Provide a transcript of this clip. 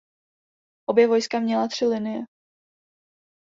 Obě vojska měla tři linie.